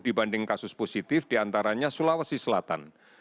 dibanding kasus positif diantaranya sulawesi selatan